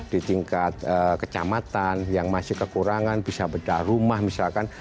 di tingkat kecamatan yang masih kekurangan bisa bedah rumah misalkan